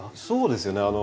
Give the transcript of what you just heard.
そうですよね。